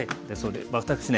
私ね